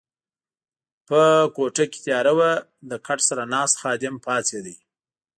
په کوټه کې تیاره وه، له کټ سره ناست خادم پاڅېد.